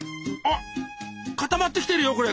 あっ固まってきてるよ